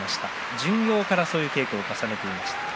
巡業からそういう稽古を重ねていました。